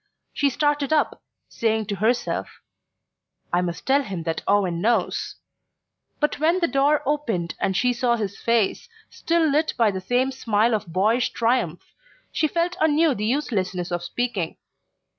She started up, saying to herself: "I must tell him that Owen knows..." but when the door opened and she saw his face, still lit by the same smile of boyish triumph, she felt anew the uselessness of speaking...